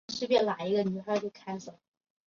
但摄政和首相一直施行专制统治。